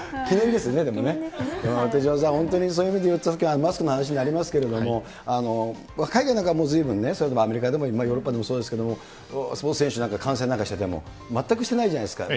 手嶋さん、本当にそういう意味でいうと、マスクの話になりますけれども、海外なんかはずいぶんね、そういうの、アメリカでもヨーロッパでもそうですけれども、スポーツ選手なんか観戦してても全くしてないじゃないですか。